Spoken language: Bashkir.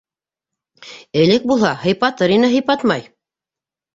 Элек булһа, һыйпатыр ине, һыйпатмай.